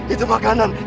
itu makanan nih